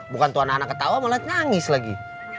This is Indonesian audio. bukan tuan anak ketawa malah nyangis lagi